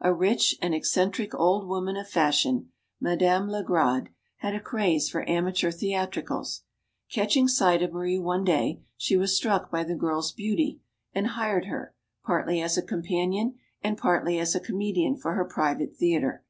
A rich and eccentric old woman of fashion Madame Legrade had a craze for amateur theatricals. Catching sight of Marie one day, she was struck by 178 STORIES OF THE SUPER WOMEN the girl's beauty, and hired her, partly as a companion and partly as a comedian for her private theatre.